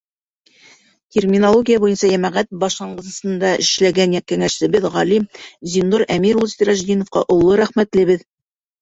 Терминология буйынса йәмәғәт башланғысында эшләгән кәңәшсебеҙ, ғалим Зиннур Әмир улы Сиражитдиновҡа оло рәхмәтлебеҙ.